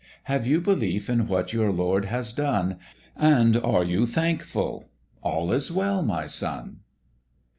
Have you belief in what your Lord has done, And are you thankful? all is well my son.'